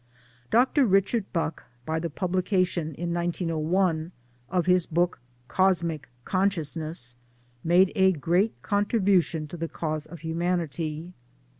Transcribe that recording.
Dr. Richard Bucke, by the publication (in 1901) of his book Cosmic Consciousness made a great contribu tion to the cause of humanity.